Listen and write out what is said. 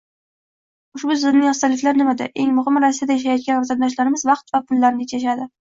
Ushbu tizimning afzalliklari nimada? Eng muhimi, Rossiyada yashayotgan vatandoshlarimiz vaqt va pullarini tejashadi